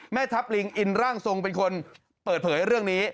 แม่ทัพลิงอินร่างทรงเป็นคนเปิดเผยเรื่องนี้